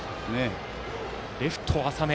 レフトは浅め。